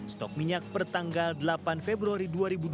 stok minyak pertanggal delapan februari dua ribu dua puluh